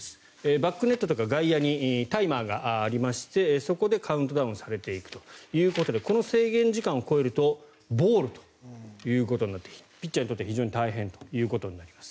バックネットとか外野にタイマーがありましてそこでカウントダウンされていくということでこの制限時間を超えるとボールということになってピッチャーにとっては非常に大変ということになります。